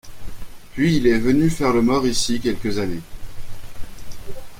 Puis il est venu faire le mort ici, quelques années…